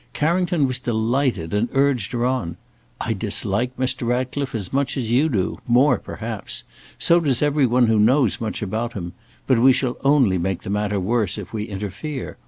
Carrington was delighted, and urged her on. "I dislike Mr. Ratcliffe as much as you do; more perhaps. So does every one who knows much about him. But we shall only make the matter worse if we interfere.